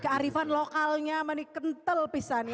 kearifan lokalnya menikentel pisahnya